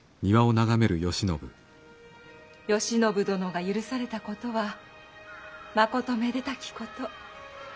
慶喜殿が赦されたことはまことめでたきこと。